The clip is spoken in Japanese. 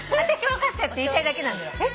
私分かったって言いたいだけなのよ。